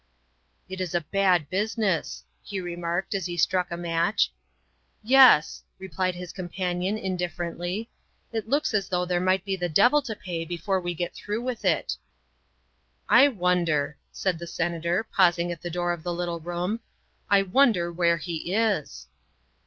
" It is a bad business," he remarked as he struck a match. " Yes," replied his companion indifferently, " it looks as though there might be the devil to pay before we get through with it." " I wonder," said the Senator, pausing at the door of the little room, " I wonder where he is?"